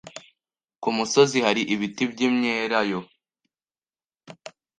Ku musozi hari ibiti by'imyelayo?